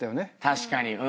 確かに。